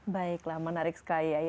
baiklah menarik sekali